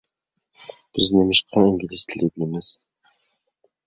بىز نېمىشقا ئىنگلىز تىلى ئۆگىنىمىز؟